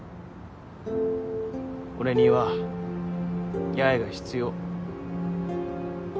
俺には八重が必要。